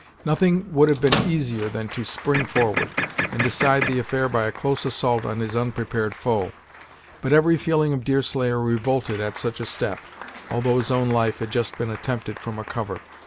Nothing would have been easier than to spring forward, and decide the affair by a close assault on his unprepared foe; but every feeling of Deerslayer revolted at such a step, although his own life had just been attempted from a cover.